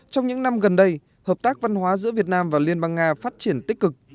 trong những năm gần đây hợp tác văn hóa giữa việt nam và liên bang nga phát triển tích cực